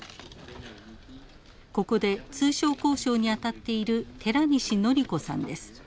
ここで通商交渉にあたっている寺西規子さんです。